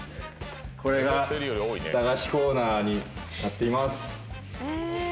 「これが駄菓子コーナーになっています」